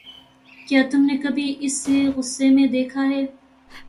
کیا تم نے کبھی اسے غصے میں دیکھا ہے؟